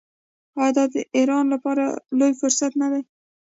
آیا دا د ایران لپاره لوی فرصت نه دی؟